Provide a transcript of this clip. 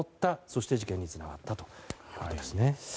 そして事件につながったということです。